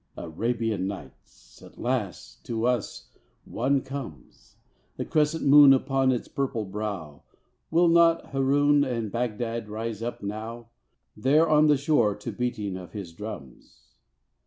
"Arabian Nights!" At last to us one comes, The crescent moon upon its purple brow. Will not Haroun and Bagdad rise up now There on the shore, to beating of his drums?